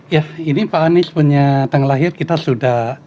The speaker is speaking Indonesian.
ya ini pak anies punya tanggal lahir kita sudah